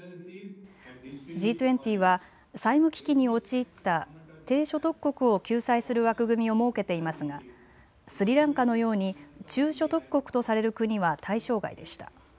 Ｇ２０は債務危機に陥った低所得国を救済する枠組みを設けていますがスリランカのように中所得国とされる国は対象外でした。